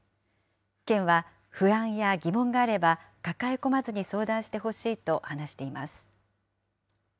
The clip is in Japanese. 県は不安や疑問があれば、抱え込まずに相談してほしいと話しています。